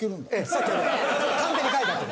さっきカンペに書いてあって。